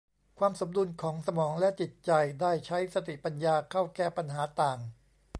ความสมดุลของสมองและจิตใจได้ใช้สติปัญญาเข้าแก้ปัญหาต่าง